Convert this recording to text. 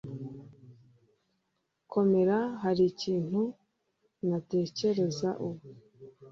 Komera hari ikintu ntatekereza ubu